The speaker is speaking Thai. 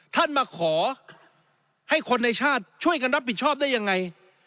ท่านมาขอให้คนในชาติช่วยกันรับผิดชอบได้ยังไง